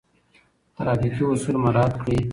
ترافيکي اصول مراعات کړئ.